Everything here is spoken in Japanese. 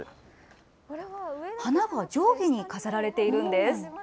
花が上下に飾られているんです。